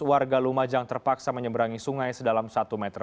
warga lumajang terpaksa menyeberangi sungai sedalam satu meter